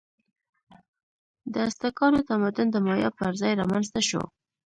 د ازتکانو تمدن د مایا پر ځای رامنځته شو.